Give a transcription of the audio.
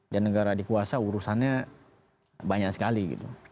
dan negara adik kuasa urusannya banyak sekali gitu